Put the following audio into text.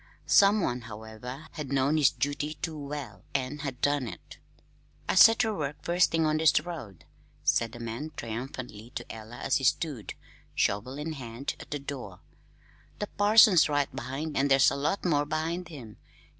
Someone, however, had known his duty too well and had done it. "I set ter work first thing on this road," said the man triumphantly to Ella as he stood, shovel in hand, at the door. "The parson's right behind, an' there's a lot more behind him.